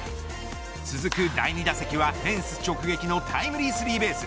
続く第２打席はフェンス直撃のタイムリースリーベース。